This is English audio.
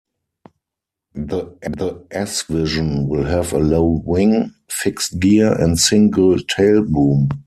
The S- Vision will have a low wing, fixed gear and single tail boom.